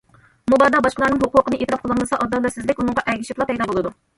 مۇبادا باشقىلارنىڭ ھوقۇقىنى ئېتىراپ قىلالمىسا، ئادالەتسىزلىك ئۇنىڭغا ئەگىشىپلا پەيدا بولىدۇ.